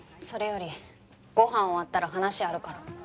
それよりご飯終わったら話あるから。